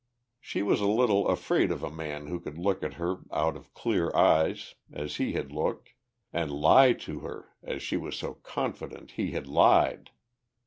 She was a little afraid of a man who could look at her out of clear eyes as he had looked, and lie to her as she was so confident he had lied.